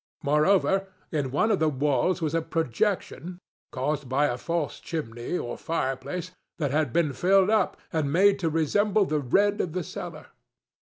Moreover, in one of the walls was a projection, caused by a false chimney, or fireplace, that had been filled up, and made to resemble the red of the cellar.